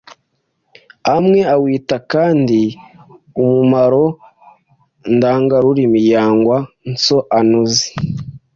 amwe awita kandi umumaro ndengarurimi yangwa nsoanuzi